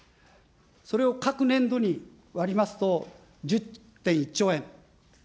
それを各年度に割りますと、１０．１兆円。